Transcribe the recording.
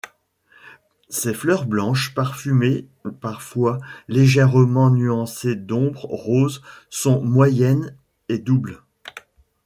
Ses fleurs blanches parfumées parfois légèrement nuancées d'ombres roses sont moyennes et doubles.